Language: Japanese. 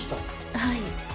はい。